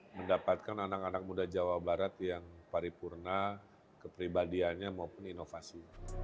mendapatkan anak anak muda jawa barat yang paripurna kepribadiannya maupun inovasi